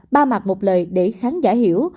ba mặt một lời để khán giả hiểu